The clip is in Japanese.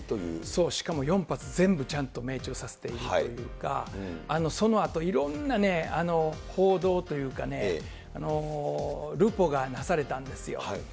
そう、しかも４発全部ちゃんと命中させているというか、そのあといろんな報道というか、ルポがなされたんですよ。